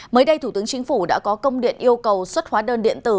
mới đây thủ tướng chính phủ đã có công điện yêu cầu xuất hóa đơn điện tử